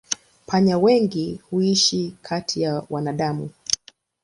Panya wengi huishi kati ya wanadamu.